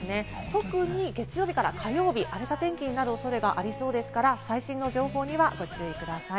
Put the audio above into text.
特に月曜日から火曜日、荒れた天気になる恐れがありますから、最新の情報にはご注意ください。